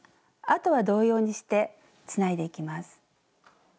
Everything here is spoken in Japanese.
あとは同様にしてつないでいきます。